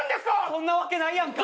そんなわけないやんか！